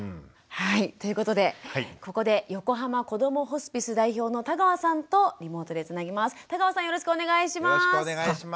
はいということでここで横浜こどもホスピス代表の田川さんとリモートでつなぎます。